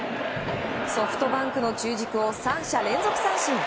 ソフトバンクの中軸を三者連続三振。